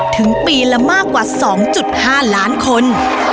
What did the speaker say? ถึงปีละมากกว่า๒๕ล้านคน